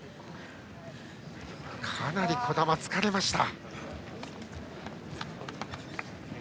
かなり児玉は疲れました。